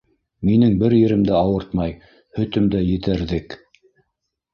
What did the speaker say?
Минең бер ерем дә ауыртмай, һөтөм дә етәрҙек...